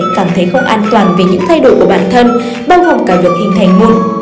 bạn không an toàn về những thay đổi của bản thân bao gồm cả việc hình thành môn